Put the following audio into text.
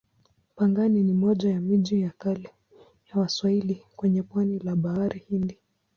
Pangani ni moja ya miji ya kale ya Waswahili kwenye pwani la Bahari Hindi.